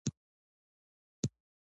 د هوږې ګل د فشار لپاره وکاروئ